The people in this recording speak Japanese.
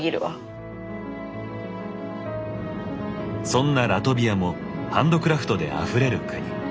そんなラトビアもハンドクラフトであふれる国。